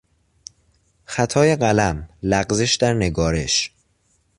خطای قلم، لغزش در نگارش